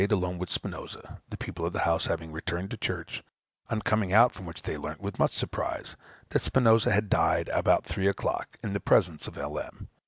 staid alone with Spinosa, the people of the house having returned to church; on coming out from which they learnt, with much surprise, that Spinosa had died about three o'clock, in the presence of L.M.